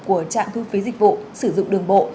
của trạm thu phí dịch vụ sử dụng đường bộ